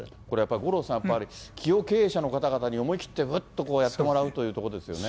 これやっぱり五郎さん、企業経営者の方々に思い切ってぐっとやってもらうということです